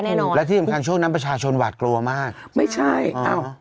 และที่สำคัญช่วงนั้นประชาชนหวาดกลัวมากไม่ใช่อ้าว